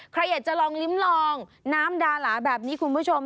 ใครอยากจะลองลิ้มลองน้ำดาหลาแบบนี้คุณผู้ชม